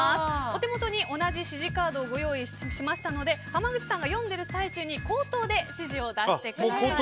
お手元に同じ指示カードをご用意しましたので濱口さんが読んでいる最中に口頭で指示を出してください。